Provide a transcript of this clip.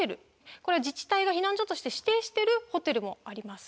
これは自治体が避難所として指定しているホテルもあります。